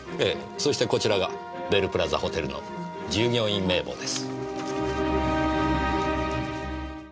そしてこちらがベルプラザホテルの従業員名簿です。